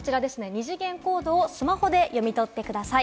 二次元コードをスマホで読み取ってください。